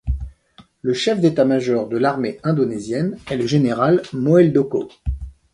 Le chef d'état-major de l'armée indonésienne est le général Moeldoko.